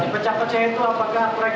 dipecah pecah itu apakah akurat itu